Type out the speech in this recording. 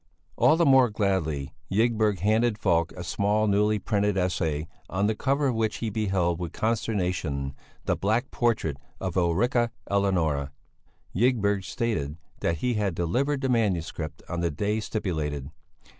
All the more gladly Ygberg handed Falk a small newly printed essay, on the cover of which he beheld with consternation the black portrait of Ulrica Eleonora. Ygberg stated that he had delivered the manuscript on the day stipulated.